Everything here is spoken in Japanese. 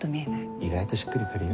意外としっくり来るよ。